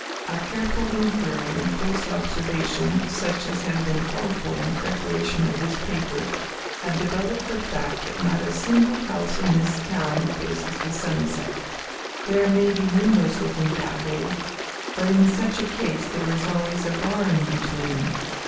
A careful inquiry and close observation, such as have been called for in preparation of this paper, have developed the fact that not a single house in this town faces the sunset! There may be windows looking that way, but in such a case there is always a barn between.